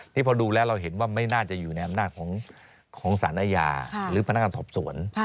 นี่พอดูแล้วเราเห็นว่าไม่น่าจะอยู่ในอำนาจของสารอาญาหรือพนักงานสอบสวน